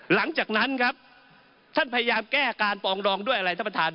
หลังจากนั้นครับท่านพยายามแก้การปองดองด้วยอะไรท่านประธาน